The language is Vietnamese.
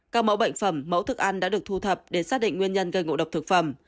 các mẫu bệnh phẩm mẫu thức ăn đã được thu thập để xác định nguyên nhân gây ngộ độc thực phẩm